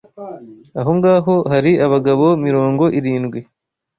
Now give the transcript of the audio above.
Aho ngaho hari abagabo mirongo irindwi